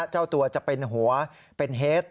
เจ้าตัวจะเป็นหัวเป็นเฮด